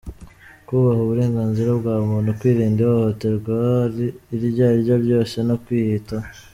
kubaha uburenganzira bwa muntu, kwirinda ihohoterwa iryo ari ryo ryose no kwiyitaho.